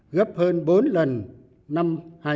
gấp hơn bốn lần năm hai nghìn một mươi